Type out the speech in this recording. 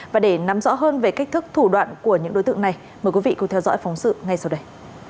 và để nắm rõ hơn về cách thức thủ đoạn của những đối tượng này mời quý vị cùng theo dõi phóng sự ngay sau đây